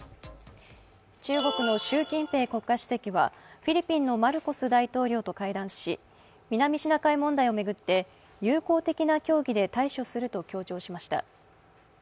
中国の習近平国家主席はフィリピンのマルコス大統領と会談し南シナ海問題を巡って有効的な協議で対処すると強調しました。